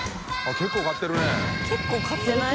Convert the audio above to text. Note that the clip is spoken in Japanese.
結構買ってない？